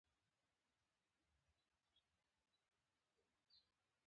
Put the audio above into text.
ښي برخه په ای او بي ویشل شوې ده.